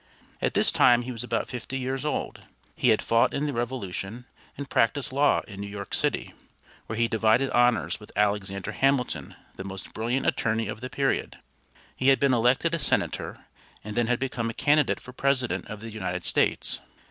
At this time he was about fifty years old. He had fought in the Revolution, and practiced law in New York City, where he divided honors with Alexander Hamilton, the most brilliant attorney of the period. He had been elected a senator, and then had become a candidate for President of the United States.